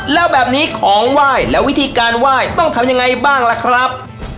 แล้วแบบนี้ของไหว้และวิธีการไหว้ต้องทำยังไงบ้างล่ะครับ